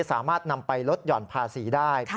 สามารถนำไปลดหย่อนภาษีได้